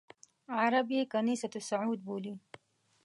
عرب یې کنیسۃ الصعود بولي.